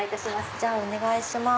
じゃあお願いします。